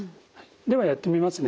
ではやってみますね。